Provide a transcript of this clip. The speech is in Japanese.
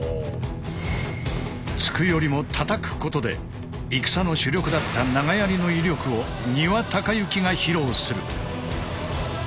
突くよりもたたくことで戦の主力だった長槍の威力を丹羽隆行が披露する。